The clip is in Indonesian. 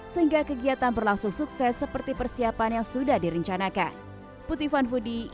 sehingga kegiatan berlangsung sukses seperti persiapan yang sudah direncanakan